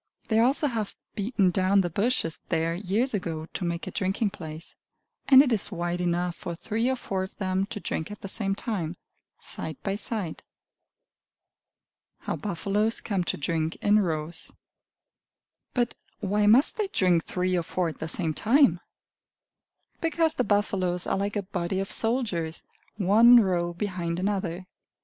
They also have beaten down the bushes there years ago, to make a drinking place; and it is wide enough for three or four of them to drink at the same time, side by side. How Buffaloes Come to Drink in Rows But why must they drink three or four at the same time? Because the buffaloes are like a body of soldiers, one row behind another.